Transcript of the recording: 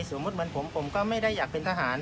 เหมือนผมผมก็ไม่ได้อยากเป็นทหาร